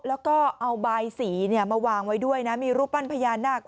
แล้วก็เอาบายสีมาวางไว้ด้วยนะมีรูปปั้นพญานาค